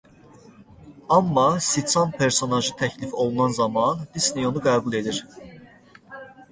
Amma siçan personajı təklif olunan zaman Disney onu qəbul edir.